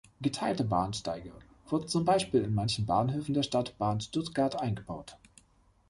Geteilte Bahnsteige wurden zum Beispiel in manchen Bahnhöfen der Stadtbahn Stuttgart eingebaut.